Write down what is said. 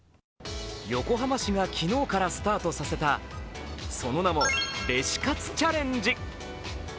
横浜市が昨日からスタートさせた、その名もレシ活チャレンジ。